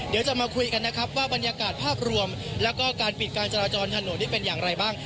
เดี๋ยวจะมาคุยกันนะครับว่าบรรยากาศภาพรวมแล้วก็การปิดการจราจรถนนนี้เป็นอย่างไรบ้าง